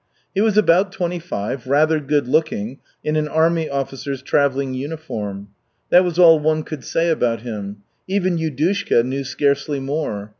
He was about twenty five, rather good looking, in an army officer's travelling uniform. That was all one could say about him. Even Yudushka knew scarcely more.